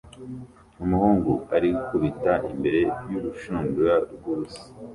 Umuhungu arikubita imbere y'urushundura rwubusa